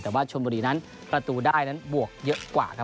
แต่ว่าชนบุรีนั้นประตูได้นั้นบวกเยอะกว่าครับ